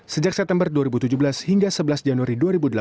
sejak september dua ribu tujuh belas hingga sebelas januari dua ribu delapan belas